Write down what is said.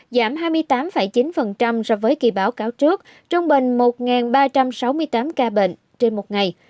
giảm hai mươi tám chín so với kỳ báo cáo trước trung bình một ba trăm sáu mươi tám ca bệnh trên một ngày